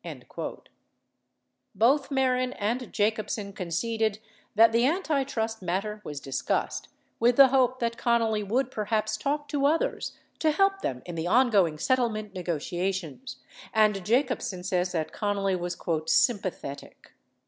93 Both Mehren and Jacobsen conceded that the antitrust matter was discussed with the hope that Connally would perhaps talk to others to help them in the ongoing settlement negotiations, and Jacobsen says that Connally was "sympathetic."